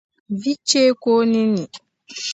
Vi chɛɛ ka o ninni.